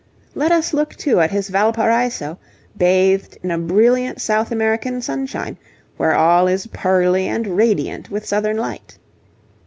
Let us look, too, at his 'Valparaiso,' bathed in a brilliant South American sunshine, where all is pearly and radiant with southern light.